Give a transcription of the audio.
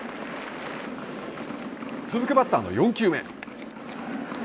続くバッターの４球目。